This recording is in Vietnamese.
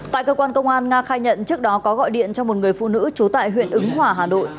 tại cơ quan công an nga khai nhận trước đó có gọi điện cho một người phụ nữ trú tại huyện ứng hòa hà nội